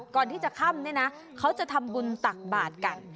ก่อนที่จะค่ำเนี่ยนะเขาจะทำบุญตักบาทกัน